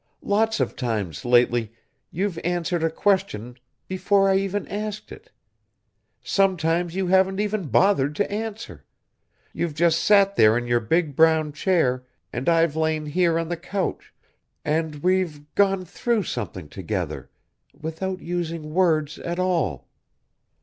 Lot of times, lately, you've answered a question before I even asked it. Sometimes you haven't even bothered to answer you've just sat there in your big brown chair and I've lain here on the couch, and we've gone through something together without using words at all...."